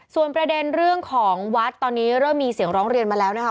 ส่วนประเด็นเรื่องของวัดตอนนี้เริ่มมีเสียงร้องเรียนมาแล้วนะคะ